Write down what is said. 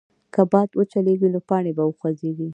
که باد وچلېږي، نو پاڼې به وخوځېږي.